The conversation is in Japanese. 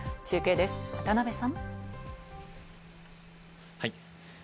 中継です、渡邊さん。